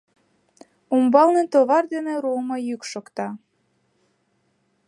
Умбалне товар дене руымо йӱк шокта.